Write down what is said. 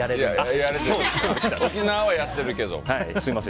沖縄はやってるけども。